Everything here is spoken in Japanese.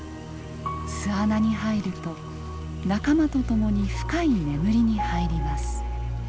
巣穴に入ると仲間と共に深い眠りに入ります。